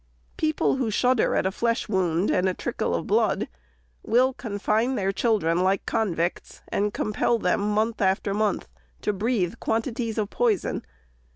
People, who shud der at a flesh wound and a trickle of blood, will confine their children like convicts, and compel them, month after month, to breathe quantities of poison.